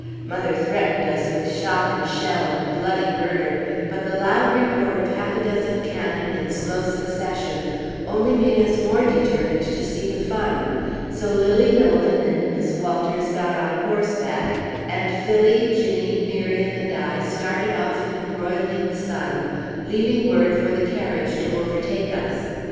Mother threatened us with shot and shell and bloody murder, but the loud report of half a dozen cannon in slow succession only made us more determined to see the fun, so Lilly Nolan and Miss Walters got on horseback, and Phillie, Ginnie, Miriam, and I started off in the broiling sun, leaving word for the carriage to overtake us.